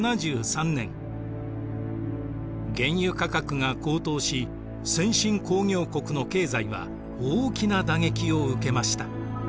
原油価格が高騰し先進工業国の経済は大きな打撃を受けました。